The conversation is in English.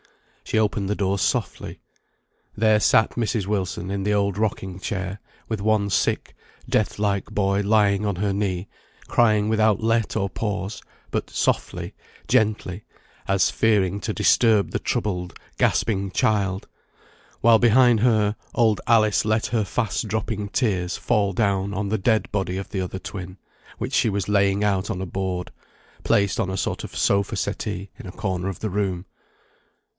She opened the door softly: there sat Mrs. Wilson in the old rocking chair, with one sick, death like boy lying on her knee, crying without let or pause, but softly, gently, as fearing to disturb the troubled, gasping child; while behind her, old Alice let her fast dropping tears fall down on the dead body of the other twin, which she was laying out on a board, placed on a sort of sofa settee in a corner of the room.